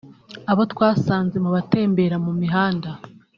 abo twasanze mu batembera mu mihanda